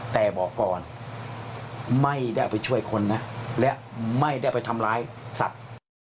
แต่บอกก่อนไม่ได้ไปช่วยคนนะและไม่ได้ไปทำร้ายสัตว์